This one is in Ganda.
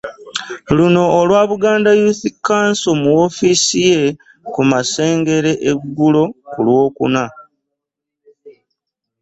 Luno olwa Buganda Youth Council mu woofiisi ye ku Masengere eggulo ku Lwokuna